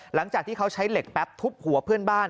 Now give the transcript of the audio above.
หลังจากที่เขาใช้เหล็กแป๊บทุบหัวเพื่อนบ้าน